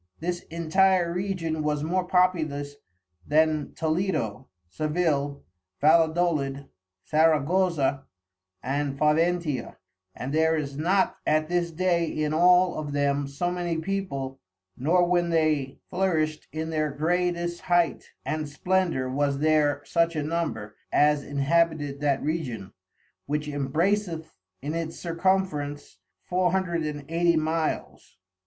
This intire Region was more populous then Toledo, Sevil, Valedolid, Saragoza, and Faventia; and there is not at this day in all of them so many people, nor when they flourisht in their greatest height and splendor was there such a number, as inhabited that Region, which embraceth in its Circumference, four hundred and eighty Miles.